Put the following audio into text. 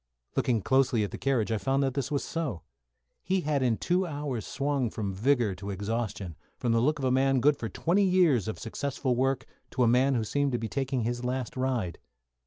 Looking closely at the carriage I found that this was so. He had in two hours swung from vigour to exhaustion, from the look of a man good for twenty years of successful work to a man who seemed to be taking his last ride.